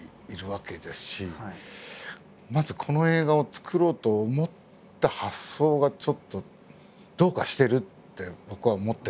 まずこの映画を作ろうと思った発想がちょっとどうかしてるって僕は思ってたんですけど。